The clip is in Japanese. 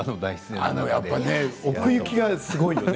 奥行きがすごいよね